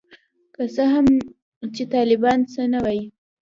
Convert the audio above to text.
که څه هم چي طالبان څه نه وايي.